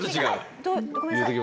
ごめんなさい。